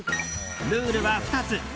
ルールは２つ。